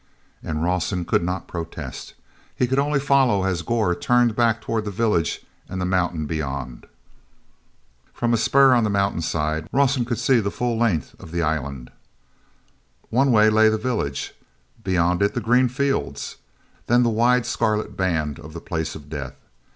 And Rawson could not protest. He could only follow as Gor turned back toward the village and the mountain beyond. From a spur on the mountainside Rawson could see the full length of the island. One way lay the village; beyond it the green fields; then the wide scarlet band of the Place of Death.